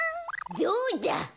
どうだ！